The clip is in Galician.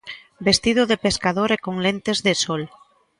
Vestido de pescador e con lentes de sol.